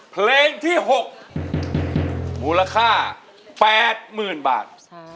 เพลงที่๖มูลค่า๘๐๐๐บาท